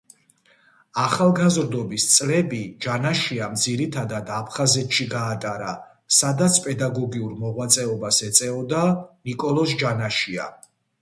ახალგაზრდობის წლები ჯანაშიამ ძირითადად აფხაზეთში გაატარა, სადაც პედაგოგიურ მოღვაწეობას ეწეოდა ნიკოლოზ ჯანაშია.